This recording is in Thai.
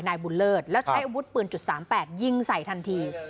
นายบุญเลิศแล้วใช้อาวุธปืน๓๘ยิงใส่ทันที